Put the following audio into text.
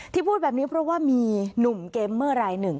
พูดแบบนี้เพราะว่ามีหนุ่มเกมเมอร์รายหนึ่ง